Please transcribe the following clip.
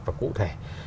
và cụ thể